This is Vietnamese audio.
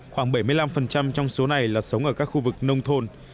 khoảng bảy mươi năm trong số này là sống ở các khu vực nông thôn